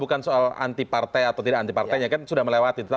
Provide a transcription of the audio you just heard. bukan soal anti partai atau tidak anti partainya kan sudah melewati